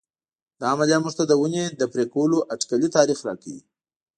دا عملیه موږ ته د ونې د پرې کولو اټکلي تاریخ راکوي.